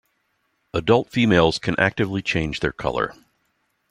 Adult females can actively change their color.